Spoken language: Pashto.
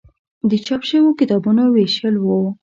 د چاپ شویو کتابونو ویشل و.